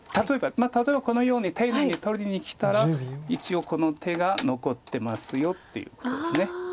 例えばこのように丁寧に取りにきたら一応この手が残ってますよっていうことです。